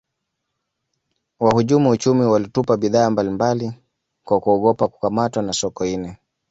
wahujumu uchumi walitupa bidhaa mbali mbali kwa kuogopa kukamatwa na sokoine